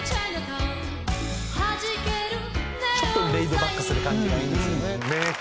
ちょっとレイドバックする感じがいいんですよね。